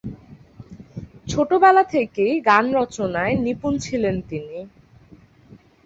ছোটবেলা থেকেই গান রচনায় নিপুণ ছিলেন তিনি।